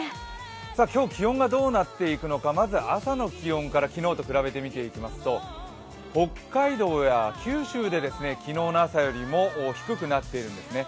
今日気温がどうなっていくのかまず朝の気温から昨日と比べてみてみますと北海道や九州で昨日の朝よりも低くなっているんですね。